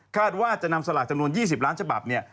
ว่าจะนำสลากจำนวน๒๐ล้านฉบับเนี่ย